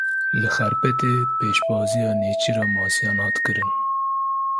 Li Xarpêtê pêşbaziya nêçîra masiyan hat kirin.